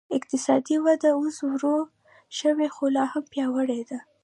اقتصادي وده اوس ورو شوې خو لا هم پیاوړې ده.